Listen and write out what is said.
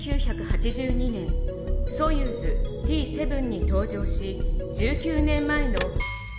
１９８２年ソユーズＴ−７に搭乗し１９年前の」。